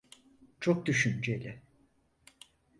Çok düşünceli.